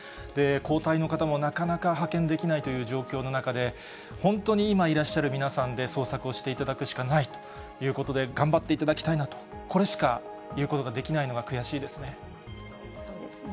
交代の方もなかなか派遣できないという状況の中で、本当に今いらっしゃる皆さんで捜索をしていただくしかないということで、頑張っていただきたいなと、これしか言うことができないのが悔しいですね。